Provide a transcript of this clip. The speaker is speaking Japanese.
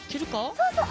そうそう。